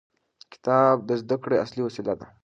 کتاب د زده کړې اصلي وسیله ده.